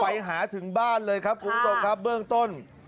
ไปหาถึงบ้านเลยครับกุญตงครับเบื้องต้น